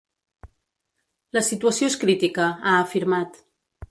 La situació és crítica, ha afirmat.